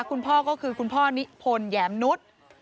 คุณพ่อก็คือคุณพ่อนิพนธ์แหยมนุษย์